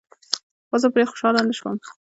خو زه پرې خوشحاله نشوم.